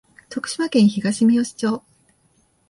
徳島県東みよし町